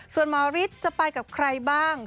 ส่วนหมอฤทธิ์จะไปกับใครบ้าง